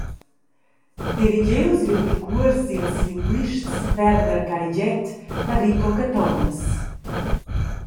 Dirigius vegn il cuors dils linguists Werner Carigiet e Rico Cathomas.